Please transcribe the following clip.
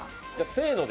せーので。